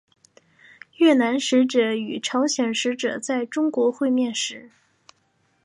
越南使者与朝鲜使者在中国会面时。